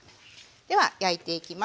では焼いていきます。